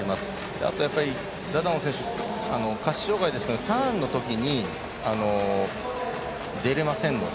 あとは、ダダオン選手下肢障がいですのでターンのときに出れませんので。